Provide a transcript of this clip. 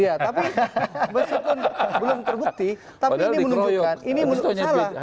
iya tapi meskipun belum terbukti tapi ini menunjukkan ini salah